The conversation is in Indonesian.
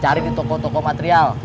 cari di toko toko material